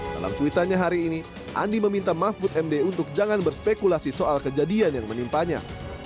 dalam tweetannya hari ini andi meminta mahfud md untuk jangan berspekulasi soal kejadian yang menimpanya